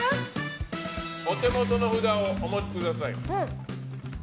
お手元の札をお持ちください。